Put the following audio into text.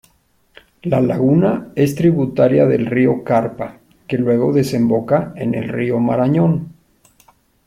La laguna es tributaria del río Carpa, que luego desemboca en el río Marañón.